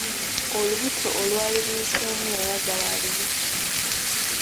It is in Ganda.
Olubuto olwali luyiseemu yayagala alubikke.